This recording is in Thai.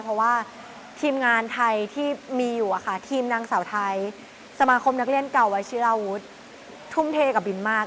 เพราะว่าทีมงานไทยที่มีอยู่ทีมนางสาวไทยสมาคมนักเรียนเก่าวัชิราวุฒิทุ่มเทกับบินมาก